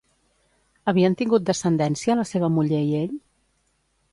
Havien tingut descendència la seva muller i ell?